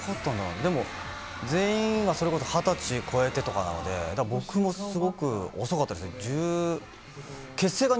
でも、全員がそれこそ２０歳超えてとかなので、だから僕もすごく遅かったですね。